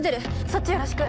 そっちよろしく！